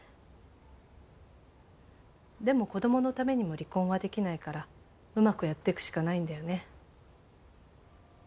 でも子どものためにも離婚はできないからうまくやってくしかないんだよね。